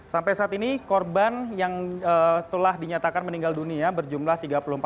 sampai saat ini korban yang telah dinyatakan meninggal dunia berjumlah tiga puluh empat